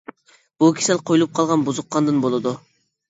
بۇ كېسەل قۇيۇلۇپ قالغان بۇزۇق قاندىن بولىدۇ.